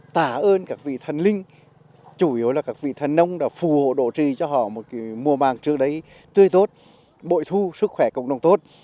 tả ơn các vị thần linh chủ yếu là các vị thần nông đã phù đổ trì cho họ một mùa màng trước đấy tươi tốt bội thu sức khỏe cộng đồng tốt